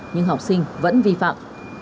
nhưng học sinh vẫn vi phạm